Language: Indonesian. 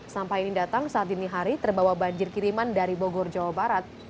sampah ini datang saat dini hari terbawa banjir kiriman dari bogor jawa barat